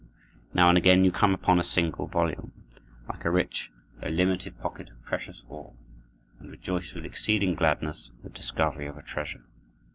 Now and again you come upon a single volume, like a rich though limited pocket of precious ore, and rejoice with exceeding gladness at the discovery of a treasure.